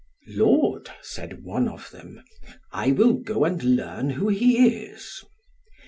"Lord," said one of them, "I will go and learn who he is."